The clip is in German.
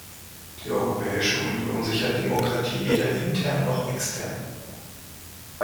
Die Europäische Union sichert Demokratie weder intern noch extern.